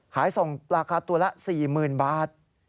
ขายส่งราคาตัวละ๔๐๐๐บาท